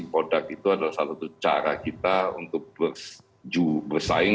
produk itu adalah salah satu cara kita untuk bersaing